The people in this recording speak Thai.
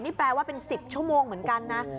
นี่แปลว่าเป็น๑๐ชั่วโมงเหมือนกันนะ